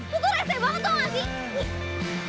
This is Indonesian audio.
kau tuh rese banget tau gak sih